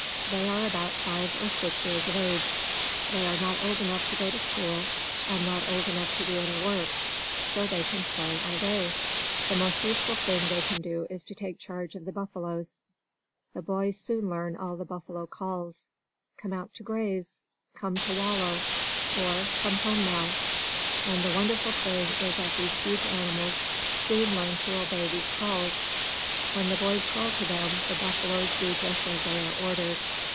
They are about five or six years of age. They are not old enough to go to school, and not old enough to do any work; so they can play all day. The most useful thing they can do is to take charge of the buffaloes. The boys soon learn all the buffalo calls "Come out to graze," "Come to wallow," or "Come home now." And the wonderful thing is that these huge animals soon learn to obey these calls. When the boys call to them, the buffaloes do just as they are ordered.